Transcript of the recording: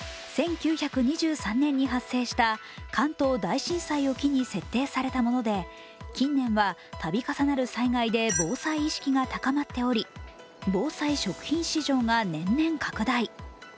１９２３年に発生した関東大震災を機に設定されたもので近年は度重なる災害で防災意識が高まっており防災食品市場が年々拡大。